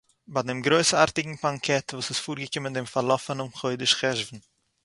ביי דעם גרויסאַרטיגן באַנקעט וואָס איז פאָרגעקומען דעם פאַרלאָפענעם חודש חשון